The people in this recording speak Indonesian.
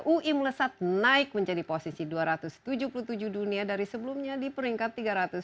ui melesat naik menjadi posisi dua ratus tujuh puluh tujuh dunia dari sebelumnya di peringkat tiga ratus tiga puluh